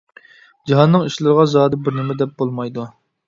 جاھاننىڭ ئىشلىرىغا زادى بىر نېمە دەپ بولمايدۇ.